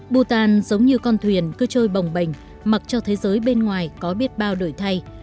bhutan giống như con thuyền cứ trôi bồng bềnh mặc cho thế giới bên ngoài có biết bao đổi thay